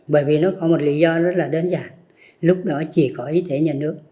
bởi vì nó có một lý do rất là đơn giản lúc đó chỉ có y tế nhà nước